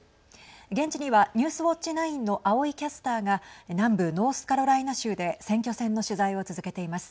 現地には、ニュースウオッチ９の青井キャスターが南部ノースカロライナ州で選挙戦の取材を続けています。